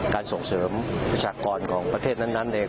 ส่งเสริมประชากรของประเทศนั้นเอง